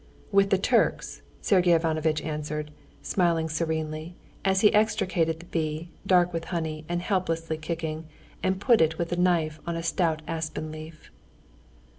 "With the Turks," Sergey Ivanovitch answered, smiling serenely, as he extricated the bee, dark with honey and helplessly kicking, and put it with the knife on a stout aspen leaf.